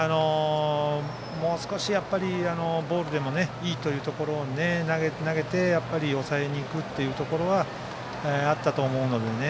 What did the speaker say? もう少しボールでもいいというところに投げて抑えに行くというところはあったと思うのでね。